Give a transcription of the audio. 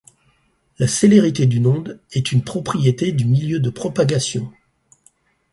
La célérité d'une onde est une propriété du milieu de propagation.